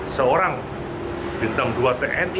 seorang bintang dua tni